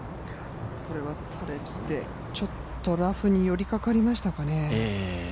これはちょっとラフに寄りかかりましたかね。